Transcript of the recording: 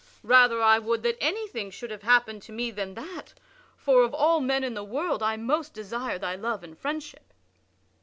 Rather I would that anything should have happened to me than that, for of all men in the world I most desire thy love and friendship."